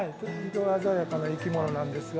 色鮮やかな生き物なんですが。